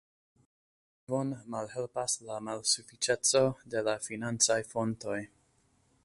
Solvon malhelpas la malsufiĉeco de la financaj fontoj.